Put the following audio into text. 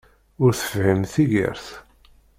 Ur tefhim tigert!